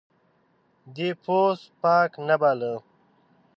دی پوست پاک نه باله.